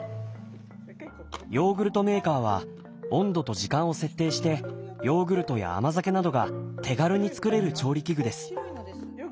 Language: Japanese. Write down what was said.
ヨーグルトメーカーは温度と時間を設定してヨーグルトや甘酒などが手軽につくれる調理器具です。